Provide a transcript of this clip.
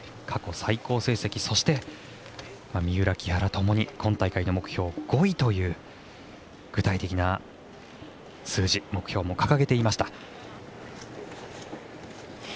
過去最高成績そして三浦、木原ともに今大会の目標５位という具体的な数字、目標も掲げていました。